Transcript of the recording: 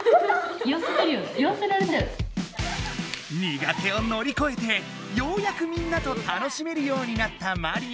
苦手をのりこえてようやくみんなと楽しめるようになったマリア！